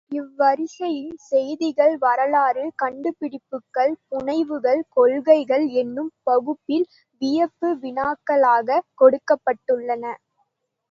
இவ்வரிசையின் செய்திகள் வரலாறு, கண்டுபிடிப்புகள், புனைவுகள், கொள்கைகள் என்னும் பகுப்பில் வியப்பு வினாக்களாகக் கொடுக்கப்பட்டுள்ளன.